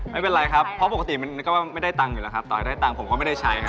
ไม่เป็นไรครับเพราะปกติมันก็ไม่ได้ตังค์อยู่แล้วครับต่อให้ได้ตังค์ผมก็ไม่ได้ใช้ครับ